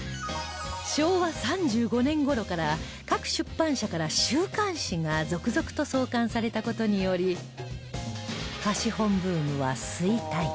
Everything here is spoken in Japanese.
昭和３５年頃から各出版社から週刊誌が続々と創刊された事により貸本ブームは衰退